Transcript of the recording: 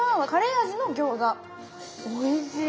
おいしい。